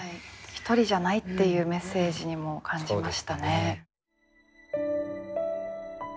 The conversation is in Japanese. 一人じゃないっていうメッセージにも感じましたね。